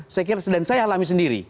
saya kira dan saya alami sendiri